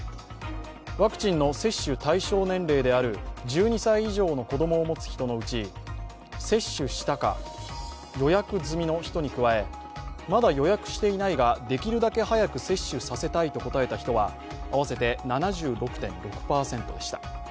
ワクチンの接種対象年齢である１２歳以上の子供を持つ人のうち接種したか、予約済みの人に加えまだ予約していないが、できるだけ早く接種させたいと答えた人は合わせて７６．６％でした。